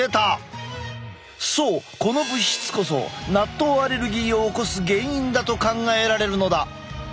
そうこの物質こそ納豆アレルギーを起こす原因だと考えられるのだ！